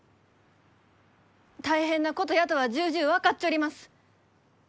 大変なことやとは重々分かっちょります。